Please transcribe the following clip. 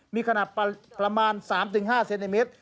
มีขนาดประมาณ๓๕เซนติเมตร